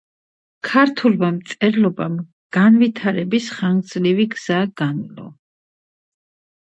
იატაკი სავსეა ჩამონაშალი ქვით.